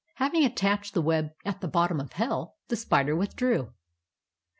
"Having attached the web at the bottom of hell, the spider withdrew.